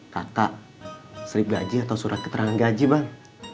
kata serip gaji atau surat keterangan gaji bang